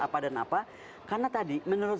apa dan apa karena tadi menurut